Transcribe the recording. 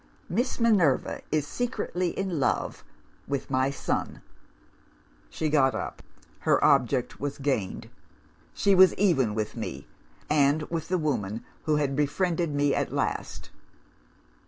Miss Minerva is secretly in love with my son.' "She got up. Her object was gained: she was even with me, and with the woman who had befriended me, at last.